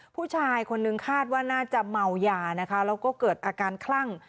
ผู้ชายคนนึงคาดว่าน่าจะเมายานะคะแล้วก็เกิดอาการคลั่ง